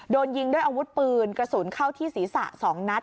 โดนยิงด้วยอาวุธปืนกระสุนเข้าที่ศีรษะ๒นัด